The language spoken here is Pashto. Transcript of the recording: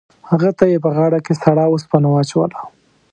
هغه ته یې په غاړه کې سړه اوسپنه واچوله.